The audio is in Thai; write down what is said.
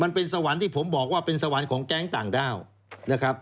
มันเป็นสวรรค์ที่ผมบอกว่าเป็นสวรรค์ของแก๊งต่างด้าวนะครับ